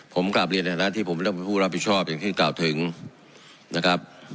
ผมกลับเรียนในฐานะที่ผมไม่ต้องเป็นผู้รับผิดชอบอย่างที่กล่าวถึงนะครับ